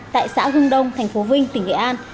tại xã hưng đông thành phố vinh tỉnh nghệ an